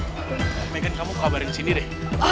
megan kamu kabarin sini deh